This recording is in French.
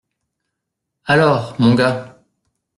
Alors ! Mon gars !